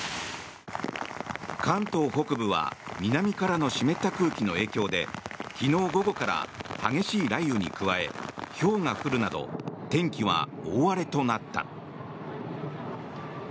関東北部は南からの湿った空気の影響で昨日午後から激しい雷雨に加えひょうが降るなど天気は大荒れとなった。